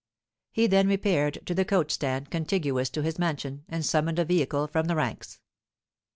He then repaired to the coach stand contiguous to his mansion, and summoned a vehicle from the ranks.